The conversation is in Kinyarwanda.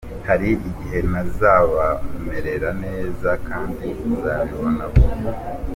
Hari igihe ntazabamerera neza kandi uzabibona vuba.